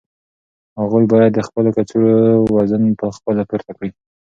هغوی باید د خپلو کڅوړو وزن په خپله پورته کړي.